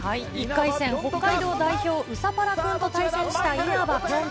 １回戦、北海道代表、ウサパラくんと対戦した因幡ぴょん兎。